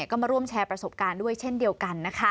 ก็มาร่วมแชร์ประสบการณ์ด้วยเช่นเดียวกันนะคะ